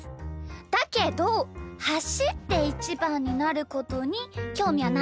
だけどはしってイチバンになることにきょうみはないです。